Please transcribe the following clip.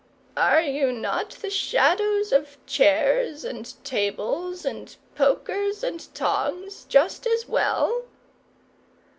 "Are you not the shadows of chairs and tables, and pokers and tongs, just as well?"